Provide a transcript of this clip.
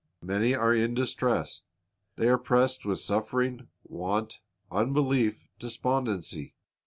Many are in distress. They are pressed with suffering, want, unbelief, despondency.